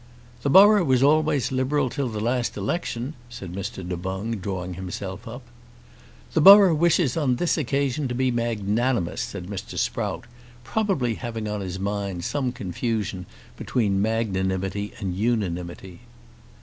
"The borough was always Liberal till the last election," said Mr. Du Boung, drawing himself up. "The borough wishes on this occasion to be magnanimous," said Mr. Sprout, probably having on his mind some confusion between magnanimity and unanimity.